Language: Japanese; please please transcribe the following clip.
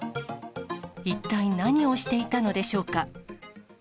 一体何をしていたのでしょうか。